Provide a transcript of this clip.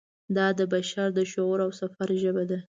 دا د بشر د شعور او سفر ژبه ده.